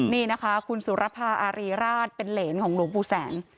นี่นะคะคุณสุรภาอารีราชเป็นเหรนของหลวงปู่แสง